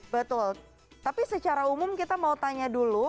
betul tapi secara umum kita mau tanya dulu